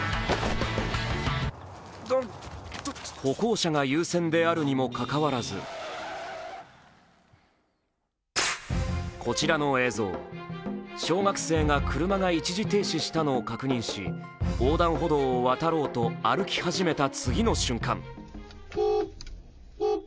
歩行者が優先であるにもかかわらずこちらの映像、小学生が車が一時停止したのを確認し横断歩道を渡ろうと歩き始めた次の瞬間。